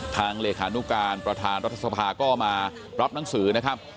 เลขานุการประธานรัฐสภาก็มารับหนังสือนะครับ